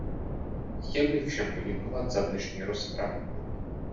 Chtěl bych všem poděkovat za dnešní rozpravu.